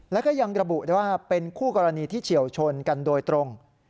แล้วก็ยังระบุได้ว่าเป็นคู่กรณีที่เฉียวชนกันโดยตรง